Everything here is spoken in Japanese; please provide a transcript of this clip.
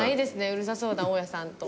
うるさそうな大家さんと。